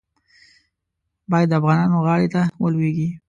باید د افغانانو غاړې ته ولوېږي.